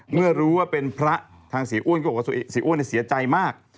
เมื่อรู้ว่าเป็นพระทางเสียอ้วนก็บอกว่าเสียอ้วนเสียใจมาก